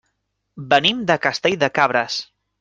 Venim de Castell de Cabres.